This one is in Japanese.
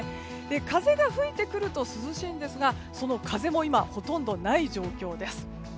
風が吹いてくると涼しいんですがその風も今ほとんどない状況です。